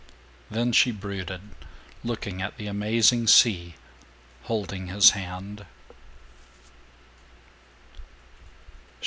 Thus she brooded, looking at the amazing sea, holding his hand.